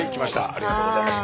ありがとうございます。